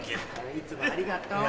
いつもありがとう。